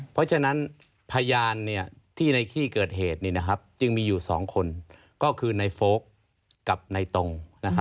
เพราะฉะนั้นพยานที่ในที่เกิดเหตุจึงมีอยู่๒คนก็คือในโฟลกกับในตรง